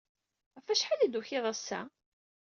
Ɣef wacḥal ay d-tukid ass-a?